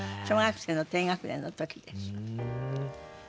小学生の低学年の時です。